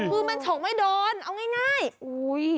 คือมันฉกไม่โดนเอาง่าย